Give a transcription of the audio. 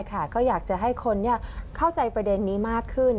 ก็อยากจะให้คนเข้าใจประเด็นนี้มากขึ้น